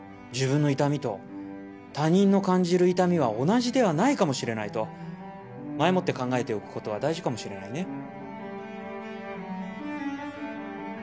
自分の痛みと他人の感じる痛みは同じではないかもしれないと前もって考えておくことは大事かもしれないね。